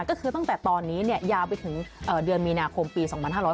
ก็คือตั้งแต่ตอนนี้ยาวไปถึงเดือนมีนาคมปี๒๕๖๐